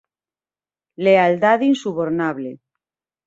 "Lealdade insubornable"